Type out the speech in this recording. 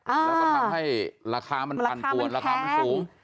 อ้าแล้วก็ให้ราคามันทันตัวราคามันแพง